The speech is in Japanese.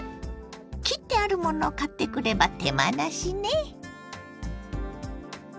切ってあるものを買ってくれば手間なしね。